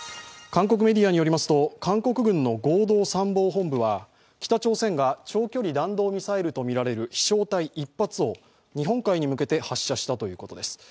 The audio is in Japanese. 韓国メディアによりますと、韓国軍の合同参謀本部は、北朝鮮が長距離弾道ミサイルとみられる飛翔体１発を日本海に向けて発射したということです。